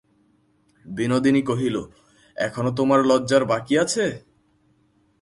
বিনোদিনী কহিল, এখনো তোমার লজ্জার বাকি আছে?